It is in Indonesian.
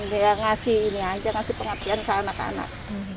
nggak ngasih ini aja ngasih pengertian ke anak anak